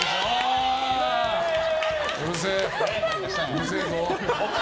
うるせえぞ。